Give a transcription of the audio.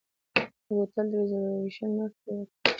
د هوټل ریزرویشن مخکې وکړئ.